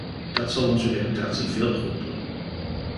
Dat zal onze reputatie veel goed doen.